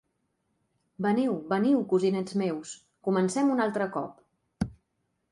Veniu, veniu, cosinets meus, comencem un altre cop!